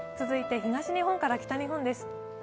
続いて東日本から北日本です。